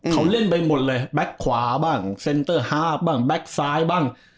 เขาเล่นไปหมดเลยแบ็คขวาบ้างเซ็นเตอร์ฮาร์บบ้างแก๊กซ้ายบ้าง